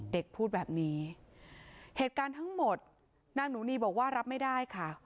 พูดแบบนี้เหตุการณ์ทั้งหมดนางหนูนีบอกว่ารับไม่ได้ค่ะ